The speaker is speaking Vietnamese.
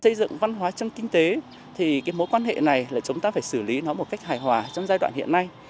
xây dựng văn hóa trong kinh tế thì mối quan hệ này là chúng ta phải xử lý nó một cách hài hòa trong giai đoạn hiện nay